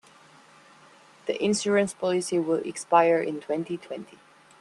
The insurance policy will expire in twenty-twenty.